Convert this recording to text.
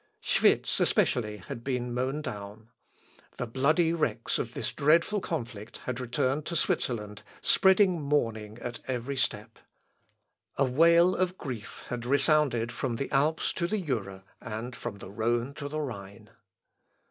Schwitz, especially, had been mown down. The bloody wrecks of this dreadful conflict had returned to Switzerland, spreading mourning at every step. A wail of grief had resounded from the Alps to the Jura, and from the Rhone to the Rhine.